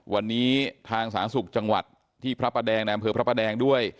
วันนี้ทางสหสุขจังหวัดที่พระประแดงนามเผลอพระประแดงด้วย